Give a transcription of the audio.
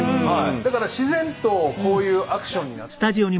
だから自然とこういうアクションになったんですけど。